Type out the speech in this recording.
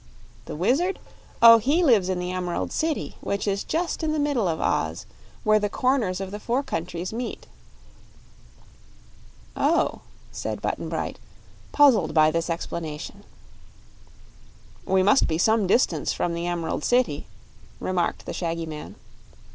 "The Wizard? Oh, he lives in the Emerald City, which is just in the middle of Oz, where the corners of the four countries meet." "Oh," said Button Bright, puzzled by this explanation. "We must be some distance from the Emerald City," remarked the shaggy man.